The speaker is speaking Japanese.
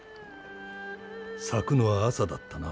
咲くのは朝だったな。